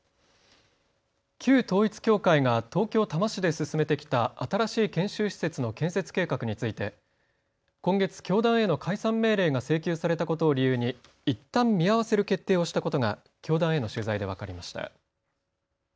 旧統一教会が東京多摩市で進めてきた新しい研修施設の建設計画について今月、教団への解散命令が請求されたことを理由にいったん見合わせる決定をしたことが教団への取材で分かりました。